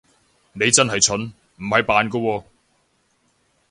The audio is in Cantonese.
你係真蠢，唔係扮㗎喎